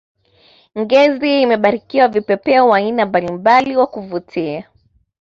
ngezi imebarikiwa vipepeo wa aina mbalimbali wa kuvutia